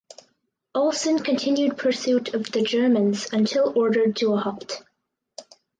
Olsen continued pursuit of the Germans until ordered to halt.